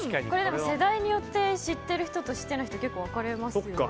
世代によって知ってる人と知ってない人結構、分かれますよね。